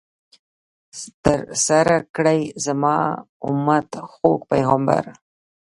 ترسره کړئ، زما امت ، خوږ پیغمبر